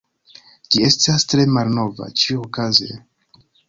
Ĝi estas tre malnova. Ĉiuokaze…